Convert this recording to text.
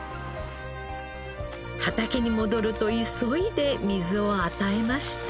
畑に戻ると急いで水を与えました。